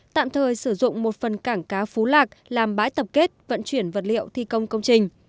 tạm thời sử dụng một phần cảng cá phú lạc làm bãi tập kết vận chuyển vật liệu thi công công trình